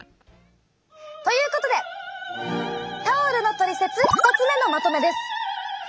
ということでタオルのトリセツ２つ目のまとめです。